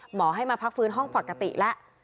หมอให้มาพักฟื้นห้องปกติแล้ว